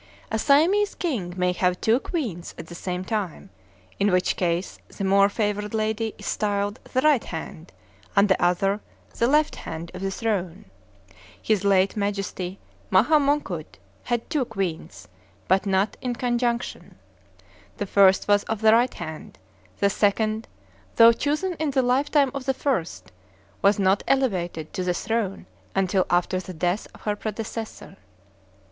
A Siamese king may have two queens at the same time; in which case the more favored lady is styled the "right hand," and the other the "left hand," of the throne. His late Majesty, Maha Mongkut, had two queens, but not "in conjunction." The first was of the right hand; the second, though chosen in the lifetime of the first, was not elevated to the throne until after the death of her predecessor.